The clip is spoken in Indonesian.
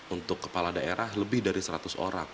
untuk kepala daerah lebih dari seratus orang